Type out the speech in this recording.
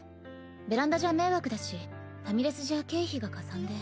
ベランダじゃ迷惑だしファミレスじゃ経費がかさんで。